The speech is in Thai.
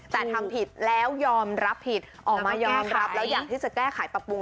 แต่ทำผิดแล้วยอมรับผิดออกมายอมรับแล้วอยากที่จะแก้ไขปรับปรุง